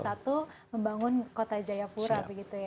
satu membangun kota jayapura